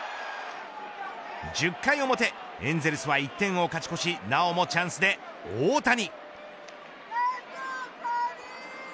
１０回表エンゼルスは１点を勝ち越しなおもチャンスで大谷。